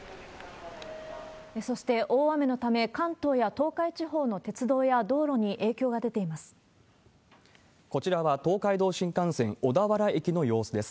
そして大雨のため、関東や東海地方の鉄道や道路に影響が出てこちらは東海道新幹線小田原駅の様子です。